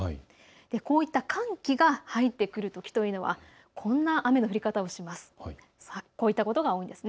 こういった寒気が入ってくるときというのはこんな雨の降り方をするんです。